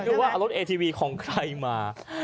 คือว่าเอารถเอทีวีของใครมา